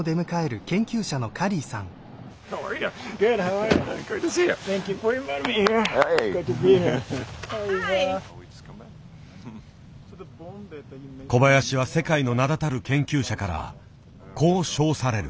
小林は世界の名だたる研究者からこう称される。